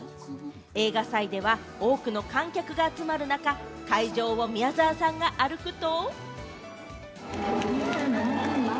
映画祭では多くの観客が集まる中、会場を宮沢さんが歩くと。